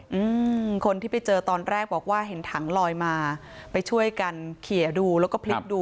อืมคนที่ไปเจอตอนแรกบอกว่าเห็นถังลอยมาไปช่วยกันเขียดูแล้วก็พลิกดู